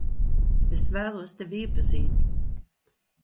Es vēlos tevi iepazīt.